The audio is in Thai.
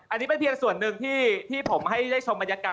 อันนี้เป็นเพียงส่วนหนึ่งที่ผมให้ได้ชมบรรยากาศ